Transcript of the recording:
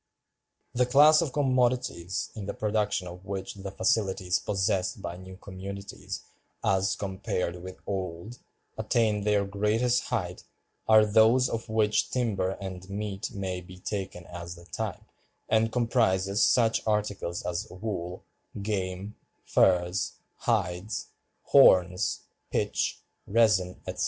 "The class of commodities in the production of which the facilities possessed by new communities, as compared with old, attain their greatest height, are those of which timber and meat may be taken as the type, and comprises such articles as wool, game, furs, hides, horns, pitch, resin, etc.